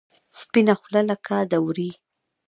سپینه خوله لکه د ورې.